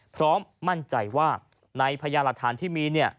พร้อมมั่นใจว่าในพญาหลักฐานที่มี